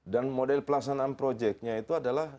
dan model pelaksanaan projeknya itu adalah